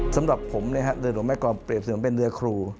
สำหรับผมเรือหนุ่มแม่กรอบเปลี่ยนเป็นเรือครู